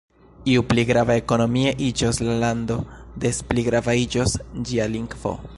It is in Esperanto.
Ju pli grava ekonomie iĝos la lando, des pli grava iĝos ĝia lingvo.